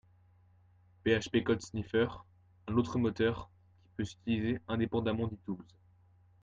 PHP Code Sniffer un autre moteur, qui peut s'utiliser indépendement du Tools